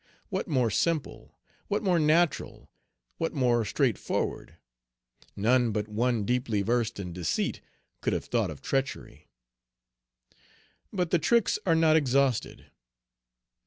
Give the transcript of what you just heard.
What more simple, what more natural, what more straightforward? None but one deeply versed in deceit could have thought of treachery. But the tricks are not exhausted.